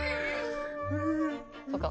そっか。